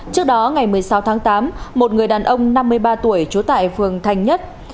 trước đó ngày một mươi sáu tháng tám một người đàn ông năm mươi ba tuổi trú tại phường thành nhất